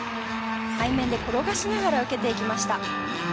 背面で転がしながら受けていきました。